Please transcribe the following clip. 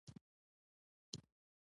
آیا هر محصول باید په دواړو ژبو نه وي؟